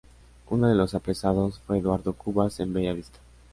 Uno de los apresados fue Eduardo Cubas en Bella Vista.